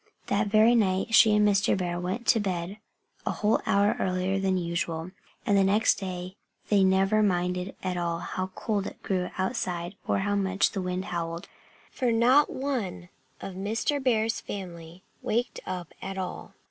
That very night she and Mr. Bear went to bed a whole hour earlier than usual. And the next day they never minded at all how cold it grew outside or how much the wind howled. For not one of Mr. Bear's family waked up at all!